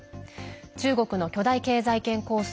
中国の巨大経済圏構想